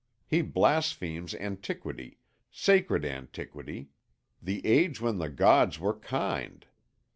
He blasphemes Antiquity, sacred Antiquity, the age when the gods were kind.